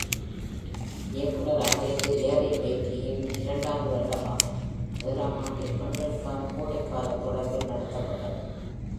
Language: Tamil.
இயக்குநராக இது Larry Bakke-வின்இரண்டாவது வருடமாகும், முதலாம் ஆண்டில் பெண்களுக்கான கோடைக்காலத் தொடர் நடத்தப்பட்டது.